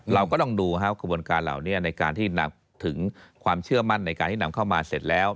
เราก็ต้องดูกระบวนการเหล่านี้ในการที่ถึงความเชื่อมั่นในการที่นำเข้ามาเสร็จแล้ว